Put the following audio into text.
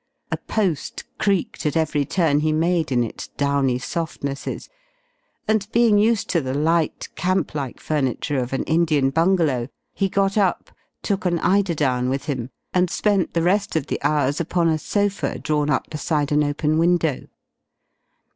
A post creaked at every turn he made in its downy softnesses, and being used to the light, camp like furniture of an Indian bungalow he got up, took an eiderdown with him, and spent the rest of the hours upon a sofa drawn up beside an open window.